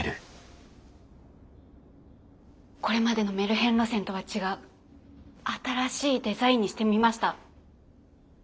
これまでのメルヘン路線とは違う新しいデザインにしてみました。